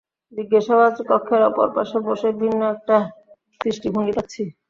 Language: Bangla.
জিজ্ঞাসাবাদ কক্ষের অপর পাশে বসে ভিন্ন একটা দৃষ্টিভঙ্গি পাচ্ছি।